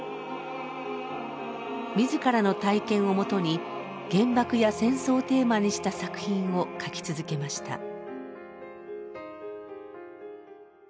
自らの体験をもとに原爆や戦争をテーマにした作品を書き続けました。